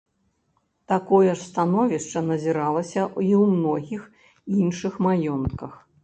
Такое ж становішча назіралася і ў многіх іншых маёнтках.